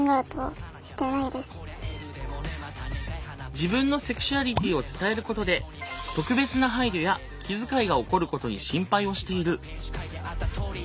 自分のセクシュアリティーを伝えることで特別な配慮や気遣いが起こることに心配をしている。